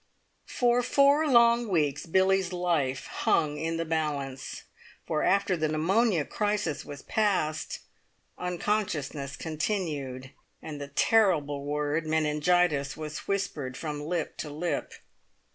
For four long weeks Billie's life hung in the balance, for after the pneumonia crisis was passed, unconsciousness continued, and the terrible word "meningitis" was whispered from lip to lip.